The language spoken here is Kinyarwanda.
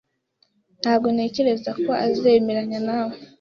Ntabwo ntekereza ko azemeranya nawe